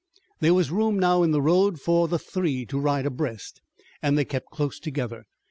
There was room now in the road for the three to ride abreast, and they kept close together.